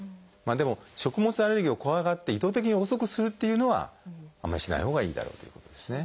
でも食物アレルギーを怖がって意図的に遅くするっていうのはあんまりしないほうがいいだろうということですね。